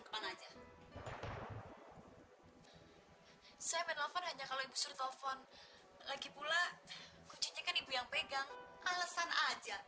perempuan ini mau ngerampe kalung saya